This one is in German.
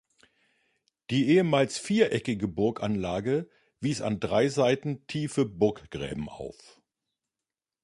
Die ehemals viereckige Burganlage wies an drei Seiten tiefe Burggräben auf.